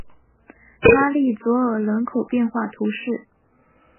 拉利佐尔人口变化图示